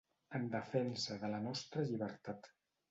En defensa de la nostra llibertat.